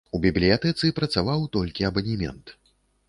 У бібліятэцы працаваў толькі абанемент.